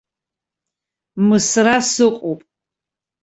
Мысра сыҟоуп.